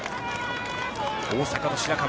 大阪の白川。